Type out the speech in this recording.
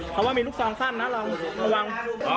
แต่ว่ามีลูกสองสั้นนะเราระวัง